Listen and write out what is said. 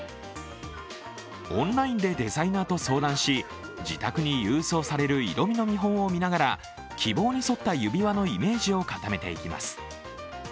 オンラインでデザイナーと相談し、自宅に郵送される色味の見本を見ながら希望に添った指輪のイメージを固めていきます。